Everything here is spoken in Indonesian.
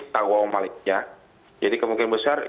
tawaw maliknya jadi kemungkinan besar